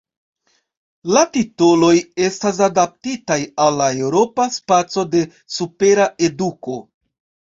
La titoloj estas adaptitaj al la Eŭropa Spaco de Supera Eduko.